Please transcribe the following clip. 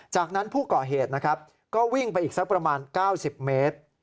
จากนั้นผู้ก่อเหตุนะครับก็วิ่งไปอีกสักประมาณ๙๐เมตร